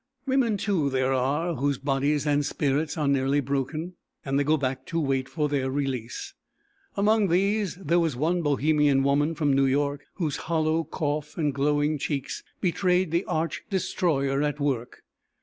Women too there are whose bodies and spirits are nearly broken; and they go back to wait for their release. Among these, there was one Bohemian woman from New York, whose hollow cough and glowing cheeks betrayed the arch destroyer at work.